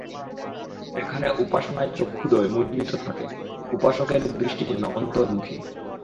এখানে উপাসনায় চক্ষুদ্বয় মুদ্রিত থাকে, উপাসকের দৃষ্টি যেন অন্তর্মুখী।